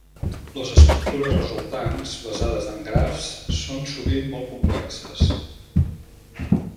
Les estructures resultants, basades en grafs, són sovint molt complexes.